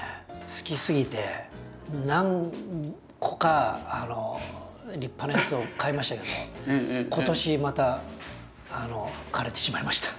好きすぎて何個か立派なやつを買いましたけど今年またあの枯れてしまいました。